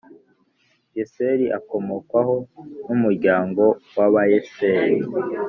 Yeseri akomokwaho n umuryango w Abayeseri